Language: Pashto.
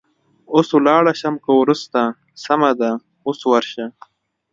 اوس ولاړه شم که وروسته؟ سمه ده، اوس ورشه.